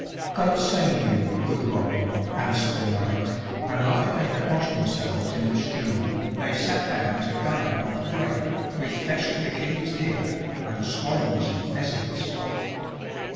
"God save you, good Robin," answered the knight, and after they had washed themselves in the stream they sat down to dine off bread, with flesh of the King's deer, and swans and pheasants.